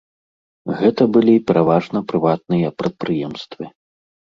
Гэта былі пераважна прыватныя прадпрыемствы.